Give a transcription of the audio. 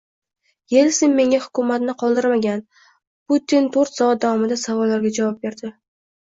«Yelsin menga hukumatni qoldirmagan» - Putinto'rtsoat davomida savollarga javob berdi